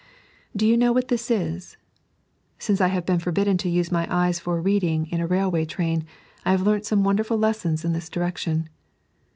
Do you know what this is t Since I have been forbidden to use my eyes for reading in a railway train, I have learnt some wonderful lessons in this direction.